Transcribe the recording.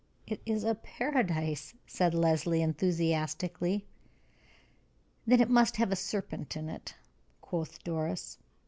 "It is a paradise!" said Leslie, enthusiastically. "Then it must have a serpent in it," quoth Doris.